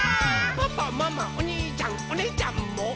「パパママおにいちゃんおねぇちゃんも」